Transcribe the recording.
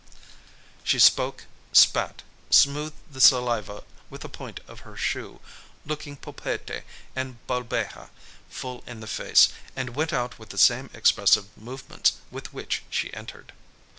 She spoke, spat, smoothed the saliva with the point of her shoe, looking Pulpete and Balbeja full in the face, and went out with the same expressive movements with which she entered.